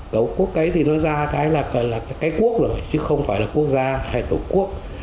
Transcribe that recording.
cỡ quốc ấy thì nó ra là cái quốc rồi chứ không phải là quốc gia hay tổ quốc